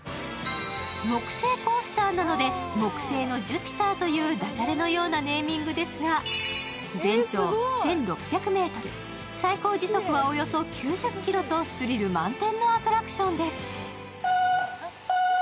木製コースターなので、木星のジュピターというだじゃれのようなネーミングですが、全長１６００、最高時速はおよそ９０キロとスリル満点のアトラクションです。